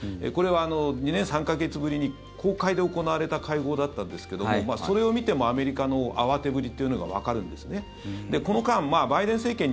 これは２年３か月ぶりに公開で行われた会合だったんですけどもそれを見てもアメリカの慌てぶりというのがわかるんですね。